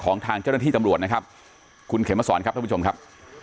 ทางเจ้าหน้าที่ตำรวจนะครับคุณเขมสอนครับท่านผู้ชมครับ